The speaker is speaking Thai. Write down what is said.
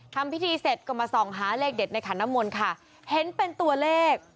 ทำพิธีเสร็จก็มาส่องหาเลขเด็ดในขันน้ำมนต์ค่ะเห็นเป็นตัวเลข